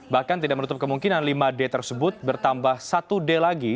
bahkan tidak menutup kemungkinan lima d tersebut bertambah satu d lagi